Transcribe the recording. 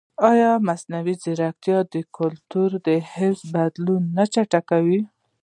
ایا مصنوعي ځیرکتیا د کلتوري حافظې بدلون نه چټکوي؟